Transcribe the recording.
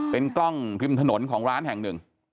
เป็นกล้องริมถนนของร้านแห่งหนึ่ง